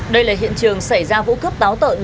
đây là hiện trường xảy ra vụ cướp táo tợn